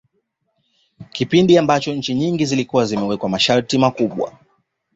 Kipindi ambacho nchi nyingi zilikuwa zimeweka masharti makubwa